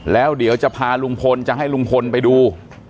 แล้วเดี๋ยวจะพาลุงพลจะให้ลุงพลไปดู